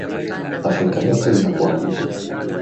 Afrika yote inakuabudu.